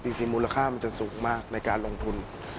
จริงมูลค่ามันจะสูงมากในการลงทุน